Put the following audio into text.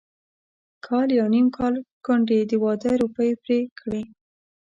کال يو نيم کال کونډې د واده روپۍ پرې کړې.